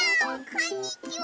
こんにちは。